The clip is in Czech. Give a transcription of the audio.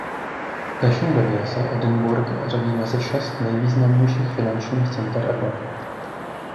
V dnešní době se Edinburgh řadí mezi šest nejvýznamnějších finančních center Evropy.